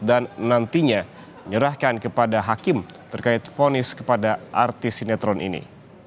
dan nantinya menyerahkan kepada hakim terkait fonis kepada arti sinetron ini